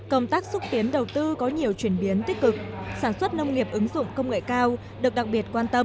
công tác xúc tiến đầu tư có nhiều chuyển biến tích cực sản xuất nông nghiệp ứng dụng công nghệ cao được đặc biệt quan tâm